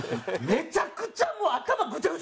めちゃくちゃ。